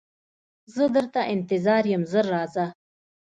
زه درته انتظار یم ژر راځه